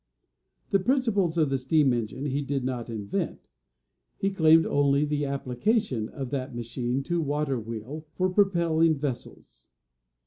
The principles of the steam engine he did not invent; he claimed only the application of that machine to water wheel, for propelling vessels.